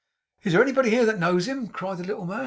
'Is there anybody here that knows him?' cried the little man.